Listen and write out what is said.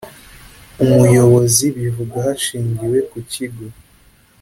umuyobozi bivuga hashingiwe ku kigo